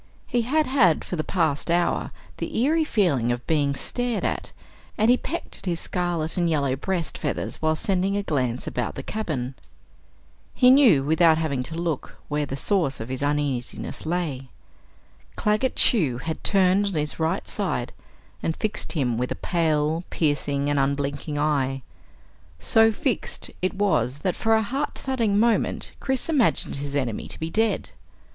He had had for the past hour the eerie feeling of being stared at, and he pecked at his scarlet and yellow breast feathers while sending a glance about the cabin. He knew without having to look, where the source of his uneasiness lay. Claggett Chew had turned on his right side and fixed him with a pale, piercing, and unblinking eye. So fixed, it was, that for a heart thudding moment Chris imagined his enemy to be dead.